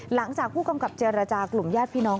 หลังจากผู้กำกับเจรจากลุ่มญาติพี่น้อง